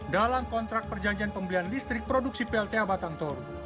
dalam kontrak perjanjian pembelian listrik produksi plta batang toru